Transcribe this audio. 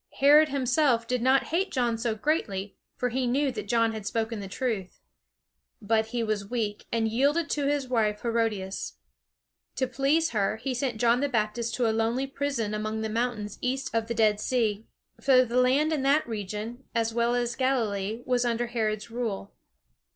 Herod himself did not hate John so greatly, for he knew that John had spoken the truth. But he was weak, and yielded to his wife Herodias. To please her, he sent John the Baptist to a lonely prison among the mountains east of the Dead Sea; for the land in that region, as well as Galilee, was under Herod's rule.